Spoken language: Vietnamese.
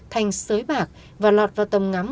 thành sới bạc và lọt vào tầm ngắm